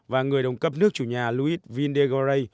và người đồng cấp nước chủ nhà luis vindegore